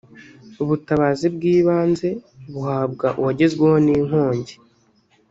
ubutabazi bw’ibanze buhabwa uwagezweho n’inkongi